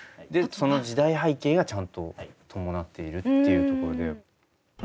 その時代背景がちゃんと伴っているっていうところで。